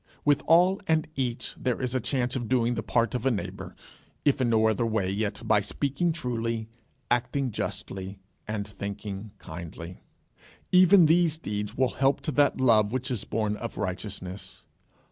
With all and each there is a chance of doing the part of a neighbour, if in no other way yet by speaking truly, acting justly, and thinking kindly. Even these deeds will help to that love which is born of righteousness.